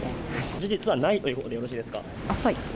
事実はないということでよろはい。